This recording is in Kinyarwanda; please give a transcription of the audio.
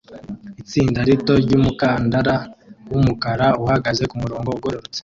Itsinda rito ryumukandara wumukara uhagaze kumurongo ugororotse